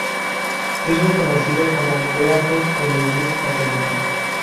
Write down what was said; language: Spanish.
Es reconocido como beato en la Iglesia católica.